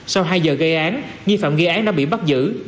sau hai giờ gây án nghi phạm gây án đã bị bắt giữ